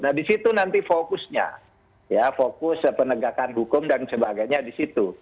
nah di situ nanti fokusnya ya fokus penegakan hukum dan sebagainya di situ